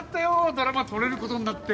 ドラマ撮れる事になって。